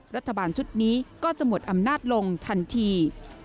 รัฐบาลชุดนี้ก็จะหมดอำนาจลงทันที